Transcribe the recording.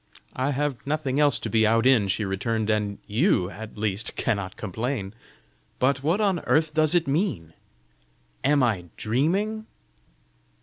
"I have nothing else to be out in," she returned; " and YOU at least cannot complain! But what on earth does it mean? Am I dreaming?"